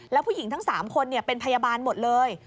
แล้วผู้หญิงทั้ง๓คนเป็นพยาบาลหมดเลย